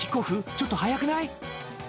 ちょっと早くない？